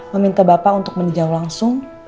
meminta bapak untuk meninjau langsung